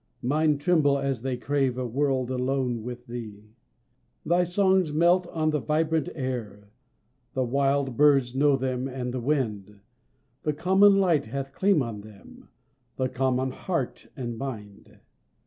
mine tremble as they crave A word alone with thee. Thy songs melt on the vibrant air, The wild birds know them, and the wind; The common light hath claim on them, The common heart and mind.